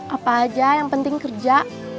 apa aja yang penting kerja